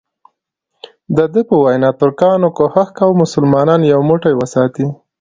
دده په وینا ترکانو کوښښ کاوه مسلمانان یو موټی وساتي.